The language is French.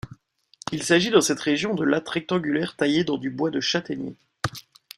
Il s'agit dans cette région de lattes rectangulaires taillées dans du bois de châtaignier.